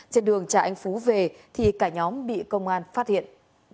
trên đường trà anh phú về thì cả nhóm bị công an phát hiện